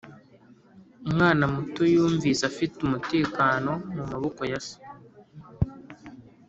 umwana muto yumvise afite umutekano mumaboko ya se.